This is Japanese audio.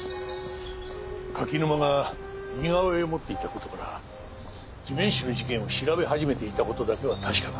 柿沼が似顔絵を持っていた事から地面師の事件を調べ始めていた事だけは確かだ。